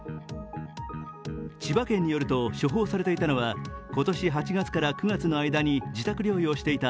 千葉県によると、処方されていたのは今年８月から９月の間に自宅療養していた